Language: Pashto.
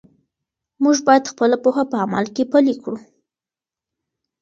موږ باید خپله پوهه په عمل کې پلی کړو.